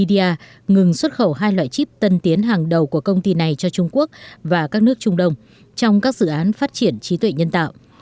tuy nhiên chính phủ mỹ đã yêu cầu vidya ngừng xuất khẩu hai loại chip tân tiến hàng đầu của công ty này cho trung quốc và các nước trung đông trong các dự án phát triển trí tuệ nhân tạo